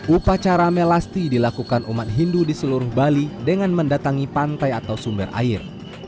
upacara melasti dilakukan umat hindu di seluruh bali dengan mendatangi pantai atau sumber air